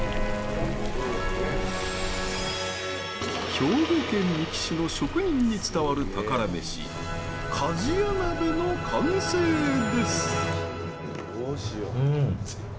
兵庫県三木市の職人に伝わる宝メシ「鍛冶屋鍋」の完成です！